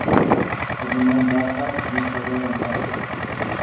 O zaman muhakkak ki bir şeyler yaparım…